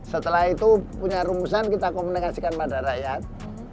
setelah itu punya rumusan kita komunikasikan pada rakyat